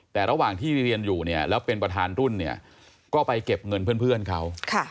แต่ระหว่างที่เรียนอยู่เนี่ยแล้วเป็นประธานรุ่นเนี่ยก็ไปเก็บเงินเพื่อนเขา